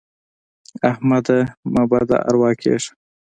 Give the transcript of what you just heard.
احمده مه بد اروا کېږه.